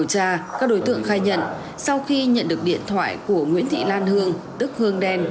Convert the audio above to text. các đối tượng khai nhận sau khi nhận được điện thoại của nguyễn thị lan hương tức hương đen